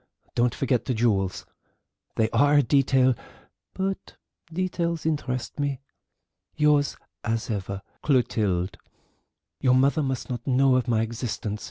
Don't forget the jewels. They are a detail, but details interest me. "Yours as ever, "CLOTILDE." "Your mother must not know of my existence.